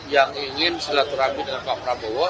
yang ingin silaturahmi dengan pak prabowo